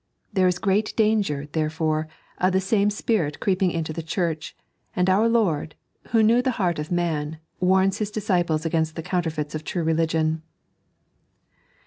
There is great danger, therefore, of the same spirit creeping into the Church ; and our Lord, who knew the heart of man, warns Hia disciples against the counterfeits of true religion.